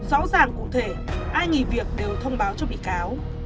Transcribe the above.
rõ ràng cụ thể ai nghỉ việc đều thông báo cho bị cáo